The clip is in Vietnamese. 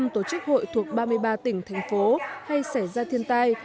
một trăm linh tổ chức hội thuộc ba mươi ba tỉnh thành phố hay xảy ra thiên tai